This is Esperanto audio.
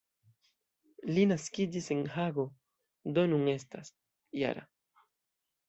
Li naskiĝis en Hago, do nun estas -jara.